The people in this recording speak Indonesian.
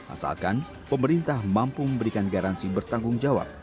asalkan pemerintah mampu memberikan garansi bertanggung jawab